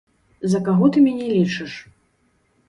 За каго ты мяне лічыш?